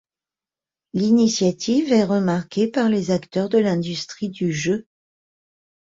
L'initiative est remarquée par les acteurs de l'industrie du jeu.